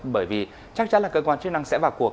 bởi vì chắc chắn là cơ quan chức năng sẽ vào cuộc